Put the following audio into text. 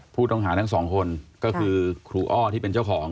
ผู้ต้องหาทั้งสองคนก็คือครูอ้อที่เป็นเจ้าของ